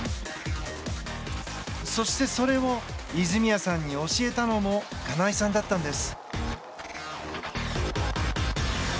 そして、それを泉谷さんに教えたのも金井さんだったんです。